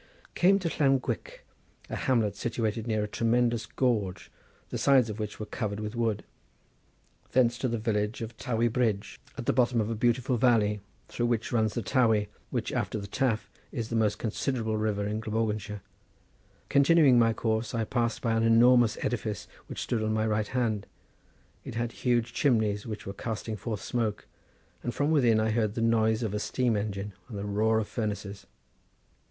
Came to Llanguick, a hamlet situated near a tremendous gorge, the sides of which were covered with wood. Thence to the village of Tawy Bridge, at the bottom of a beautiful valley, through which runs the Tawy, which, after the Taf, is the most considerable river in Glamorganshire. Continuing my course, I passed by an enormous edifice which stood on my right hand. It had huge chimneys, which were casting forth smoke, and from within I heard the noise of a steam engine and the roar of furnaces.